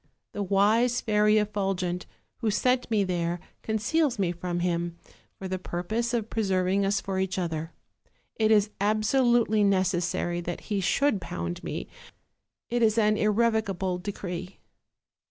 The wise Fairy Effulgent, who sent me there conceals me from him, for the purpose of preserving us for each other: it is absolutely necessary that he should pound me, it is an irrevocable decree."